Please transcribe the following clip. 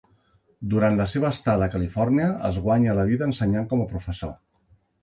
Durant la seva estada a Califòrnia, es guanya la vida ensenyant com a professor.